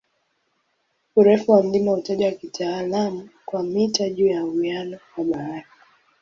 Urefu wa mlima hutajwa kitaalamu kwa "mita juu ya uwiano wa bahari".